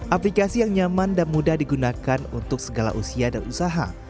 aplikasi yang nyaman dan mudah digunakan untuk segala usia dan usaha